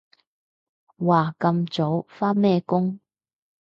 哇咁早？返咩工？